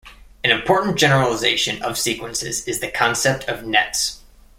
An important generalization of sequences is the concept of nets.